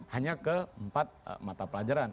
hanya ke empat mata pelajaran